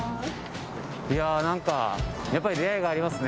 いやあなんかやっぱり出会いがありますね。